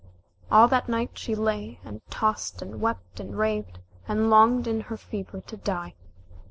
All that night she lay and tossed and wept and raved, and longed in her fever to die.